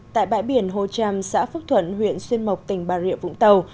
tại bãi biển hồ tràm xã phước thuận huyện xuyên mộc tỉnh bà rịa vũng tàu